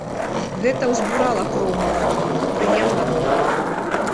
Гэта ўзбурала кроў маладую, прыемна было.